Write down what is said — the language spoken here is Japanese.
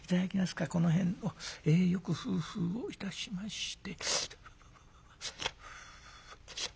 この辺をよくフフをいたしまして」。